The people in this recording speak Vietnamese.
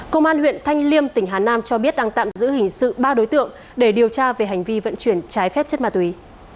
công an huyện thanh liêm tỉnh hà nam cho biết đang tạm giữ hình sự ba đối tượng để điều tra về hành vi vận chuyển trái phép chất ma túy